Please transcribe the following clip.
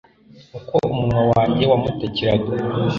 Uko umunwa wanjye wamutakiraga